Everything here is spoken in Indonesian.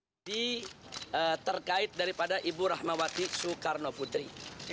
ini terkait daripada ibu rahmawati soekarno putri